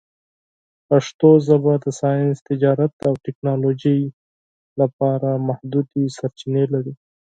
پښتو ژبه د ساینس، تجارت، او ټکنالوژۍ لپاره محدودې سرچینې لري.